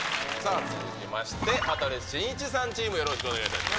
続きまして、羽鳥慎一さんチーム、よろしくお願いします。